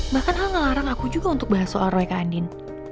bahkan ah ngelarang aku juga untuk bahas soal roy ka andin